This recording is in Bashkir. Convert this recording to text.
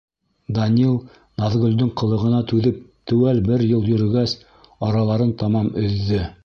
Данил Наҙгөлдөң ҡылығына түҙеп теүәл бер йыл йөрөгәс, араларын тамам өҙҙө.